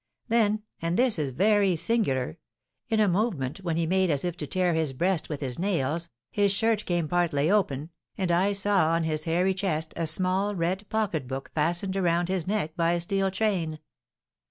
Then, and this is very singular, in a movement which he made as if to tear his breast with his nails, his shirt came partly open, and I saw on his hairy chest a small red pocketbook fastened around his neck by a steel chain.